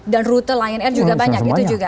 dan rute lainnya juga banyak gitu juga